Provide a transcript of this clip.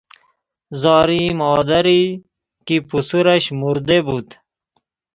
زاری مادری که پسرش مرده بود